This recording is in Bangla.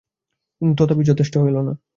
কিন্তু তথাপি যথেষ্ট হইল না।